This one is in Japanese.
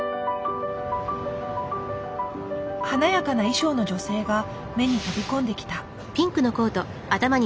華やかな衣装の女性が目に飛び込んできた。